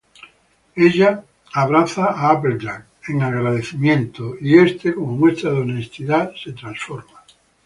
Ella abraza a Applejack en agradecimiento, y Applejack, como muestra de honestidad, se transforma.